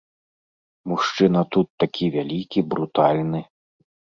Мужчына тут такі вялікі, брутальны.